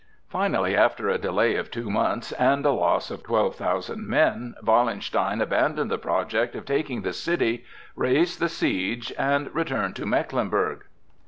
Finally, after a delay of two months and a loss of twelve thousand men, Wallenstein abandoned the project of taking the city, raised the siege, and returned to Mecklenburg.